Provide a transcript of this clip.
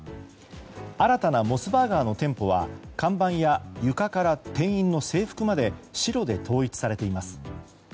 新たなモスバーガーの店舗は看板や床から店員の制服まで白で統一されています。